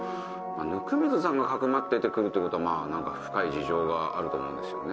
温水さんが匿ってって来るってことは何か深い事情があると思うんですよね。